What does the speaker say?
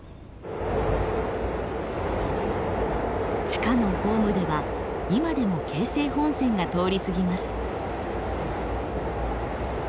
地下のホームでは今でも京成本線が通り過ぎます。